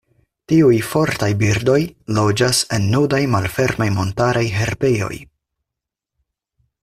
Tiuj fortaj birdoj loĝas en nudaj malfermaj montaraj herbejoj.